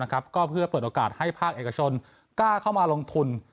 ก็เพื่อเปิดโอกาสให้ภาคเอกชนกล้าเข้ามาลงทุน